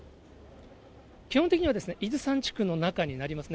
基本的には、伊豆山地区の中になりますね。